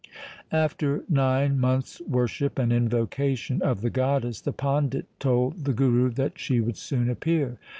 After nine months' worship and invocation of the goddess the pandit told the Guru that she would soon appear.